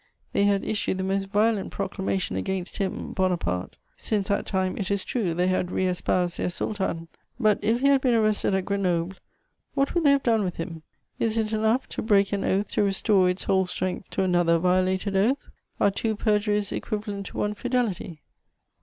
they had issued the most violent proclamations against him, Bonaparte: since that time, it is true, they had re espoused their sultan; but, if he had been arrested at Grenoble, what would they have done with him? Is it enough to break an oath to restore its whole strength to another violated oath? Are two perjuries equivalent to one fidelity?